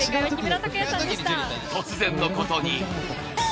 突然のことに